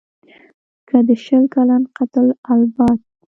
که د شل کلن «قتل العباد»